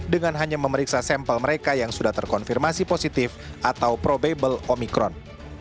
dengan hanya memeriksa sampel mereka yang sudah terkonfirmasi positif atau probable omikron